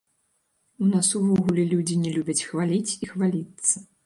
У нас увогуле людзі не любяць хваліць і хваліцца.